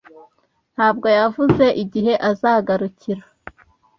Ntabwo yavuze igihe azagarukira